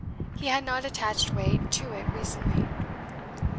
He had not attached weight to it recently.